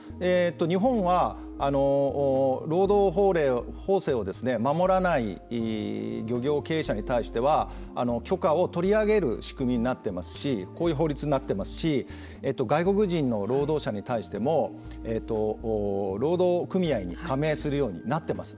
日本は労働法制を守らない漁業経営者に対しては許可を取りあげる仕組みになっていますしそういうふうになっていますし外国人の労働者に対しても労働組合に加盟するようになっています。